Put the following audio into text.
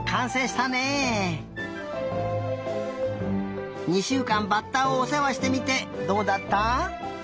しゅうかんバッタをおせわしてみてどうだった？